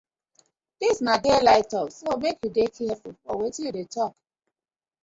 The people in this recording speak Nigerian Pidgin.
Dis na daylight tok so mek yu dey carfull for wetin yu dey tok.